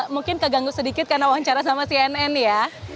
mungkin keganggu sedikit karena wawancara sama cnn ya